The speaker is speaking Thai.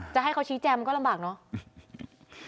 จะให้เขาชี้แจงมันก็ลำบากเนอะ